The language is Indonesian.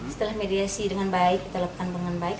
setelah mediasi dengan baik kita lakukan dengan baik